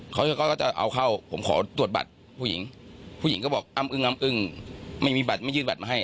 เขาก็จะเอาเข้าผมขอตรวจบัตรผู้หญิงผู้หญิงก็บอกอ้ำอึ้งอ้ำอึ้งไม่มีบัตรไม่ยืดบัตรมาให้